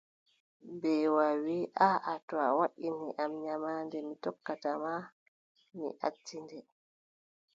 Mbeewa wii: aaʼa to a waʼini am, nyamaande mi tokkata ma, mi acci nde.